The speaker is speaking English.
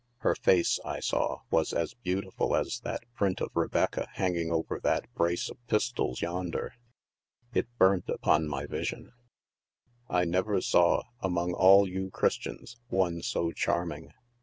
Her face, I saw, was as beautiful as that print of Rebecca hanging over that brace of pistols yonder ; it burnt upon my vision ; I never saw, among all you Christians, one so charming.